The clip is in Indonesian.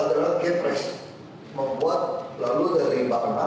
selain itu ada lagi yang berkaitan dengan dasar hukum yang lain yang berada dalam